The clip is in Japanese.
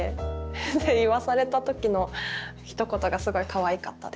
で言わされた時のひと言がすごいかわいかったです。